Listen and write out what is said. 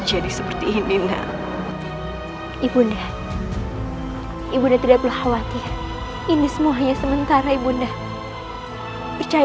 hai rupa rupanya akan lawan ramuan yang telah kau